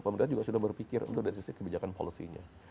pemerintah juga sudah berpikir untuk dari sisi kebijakan policy nya